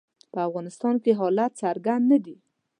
په افغانستان کې حالات څرګند نه دي.